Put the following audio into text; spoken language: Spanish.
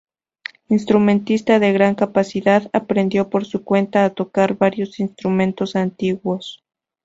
Instrumentista de gran capacidad, aprendió por su cuenta a tocar varios instrumentos antiguos.